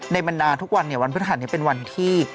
ในบรรณาทุกวันวันพฤษฐานนี้เป็นวันที่